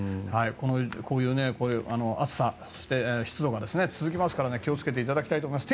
こういう暑さそして湿度が続きますから気をつけていただきたいと思います。